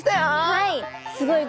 はい。